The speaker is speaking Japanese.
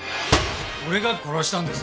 俺が殺したんです。